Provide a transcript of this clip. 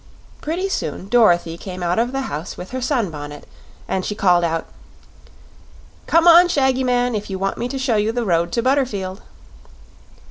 Pretty soon Dorothy came out of the house with her sunbonnet, and she called out: "Come on, Shaggy Man, if you want me to show you the road to Butterfield."